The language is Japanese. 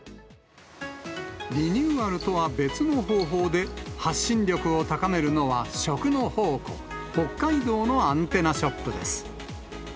リニューアルとは別の方法で、発信力を高めるのは、食の宝庫、北海道のアンテナショップです。